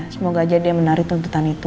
semoga aja dia menarik tuntutan itu